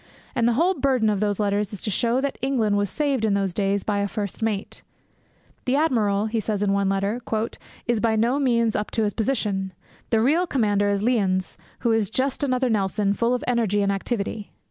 And the whole burden of those letters is to show that England was saved in those days by a first mate. 'The admiral,' he says in one letter, 'is by no means up to his position. The real commander is Lyons, who is just another Nelson full of energy and activity.'